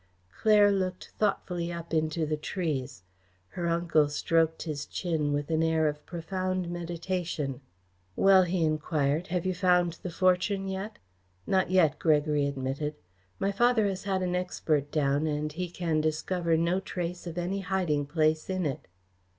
Claire looked thoughtfully up into the trees; her uncle stroked his chin with an air of profound meditation. "Well," he enquired, "have you found the fortune yet?" "Not yet," Gregory admitted. "My father has had an expert down and he can discover no trace of any hiding place in it."